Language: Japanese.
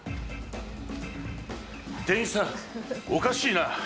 店員さん、おかしいな。